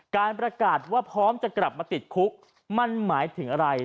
การประกาศว่าพร้อมจะกลับมาติดคุกมันหมายถึงอะไร